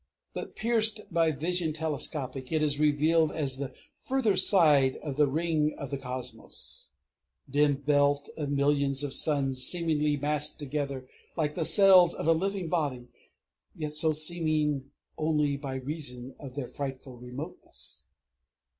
But pierced by vision telescopic, it is revealed as the further side of the Ring of the Cosmos, dim belt of millions of suns seemingly massed together like the cells of a living body, yet so seeming only by reason of their frightful remoteness.